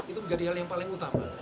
itu menjadi hal yang paling utama